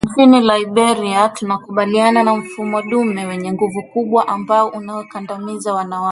Nchini Liberia tunakabiliana na mfumo dume wenye nguvu kubwa ambao unawakandamiza wanawake